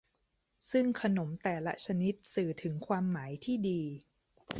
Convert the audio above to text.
ซึ่งขนมแต่ละชนิดสื่อถึงความหมายที่ดี